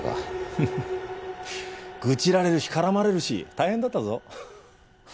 ふふっ愚痴られるし絡まれるし大変だったぞははっ。